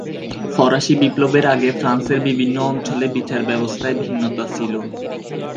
ফরাসী বিপ্লবের আগে ফ্রান্সের বিভিন্ন অঞ্চলে বিচারব্যবস্থায় ভিন্নতা ছিল।